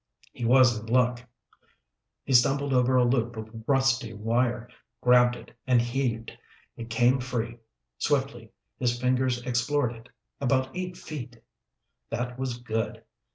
He was in luck. He stumbled over a loop of rusty wire, grabbed it, and heaved. It came free. Swiftly his fingers explored it. About eight feet. That was good.